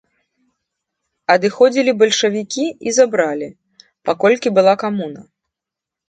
Адыходзілі бальшавікі і забралі, паколькі была камуна.